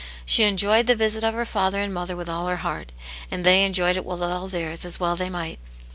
She enjoyed the visit of her father and mother with all her heart, and they enjoyed it with all theirs, as well they might.